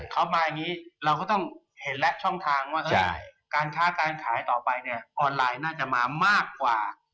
เขามาอย่างนี้เราก็ต้องเห็นแล้วช่องทางว่าการค้าการขายต่อไปเนี่ยออนไลน์น่าจะมามากกว่า